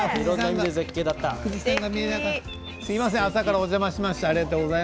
すみません朝からお邪魔しました。